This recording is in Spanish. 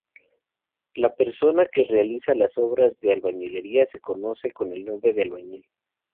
La persona que realiza obras de albañilería se conoce con el nombre de albañil.